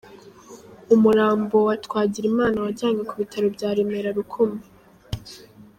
Umurambo wa Twagirimana wajyanywe ku Bitaro bya Remera Rukoma.